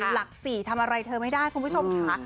หลัก๔ทำอะไรเธอไม่ได้คุณผู้ชมค่ะ